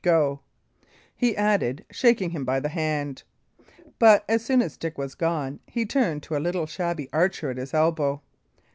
Go," he added, shaking him by the hand. But, as soon as Dick was gone, he turned to a little shabby archer at his elbow.